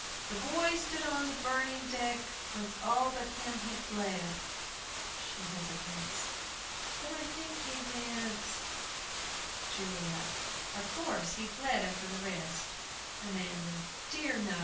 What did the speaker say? "The boy stood on the burning deck, Whence all but him had fled " [She hesitates. ] Then I think he went JULIA. Of course, he fled after the rest. AMANDA. Dear, no!